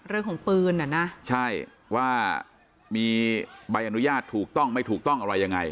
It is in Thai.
เรื่องของปืนอ่ะนะใช่ว่ามีใบอนุญาตถูกต้องไม่ถูกต้องอะไรยังไง